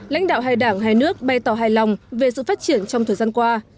lãnh đạo hai đảng hai nước bày tỏ hài lòng về sự phát triển trong thời gian qua